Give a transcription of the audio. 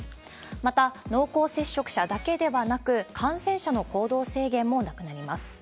また、濃厚接触者だけではなく、感染者の行動制限もなくなります。